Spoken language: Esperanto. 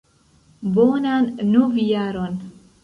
Bonan Novjaron!